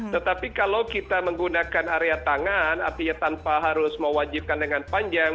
tetapi kalau kita menggunakan area tangan artinya tanpa harus mewajibkan dengan panjang